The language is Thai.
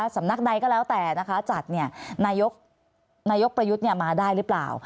สำนักใดก็แล้วแต่นะคะจัดนายกประยุทธ์มาได้หรือเปล่า